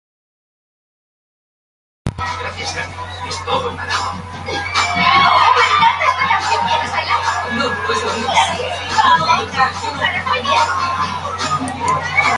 Este tema lo grabó junto al cantante panameño Ricky Rap.